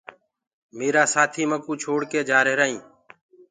ميرآ سآٿيٚ مڪو ڇوڙڪي جآريهرائينٚ